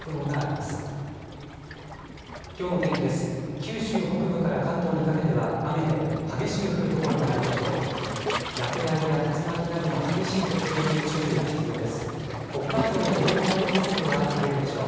九州北部から関東にかけては雨で激しく降る所があるでしょう。